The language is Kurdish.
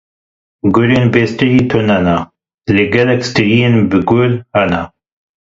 Gulên bêstrî tune ne, lê gelek striyên bêgul hene.